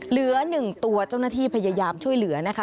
เหลือ๑ตัวเจ้าหน้าที่พยายามช่วยเหลือนะคะ